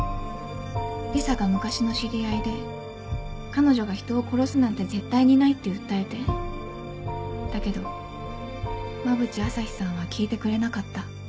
リサが昔の知り合いで彼女が人を殺すなんて絶対にないって訴えてだけど馬淵朝陽さんは聞いてくれなかった。